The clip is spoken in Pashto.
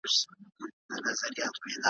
که دې پام وي په مقام دې ګرزؤمه